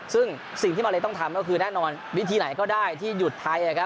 ซึ่งสิ่งที่มาเลต้องทำก็คือแน่นอนวิธีไหนก็ได้ที่หยุดไทย